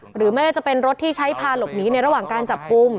ไม่ว่าจะเป็นรถที่ใช้พาหลบหนีในระหว่างการจับกลุ่ม